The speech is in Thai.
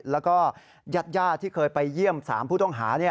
แล้วก็ญาติที่เคยไปเยี่ยม๓ผู้ต้องหา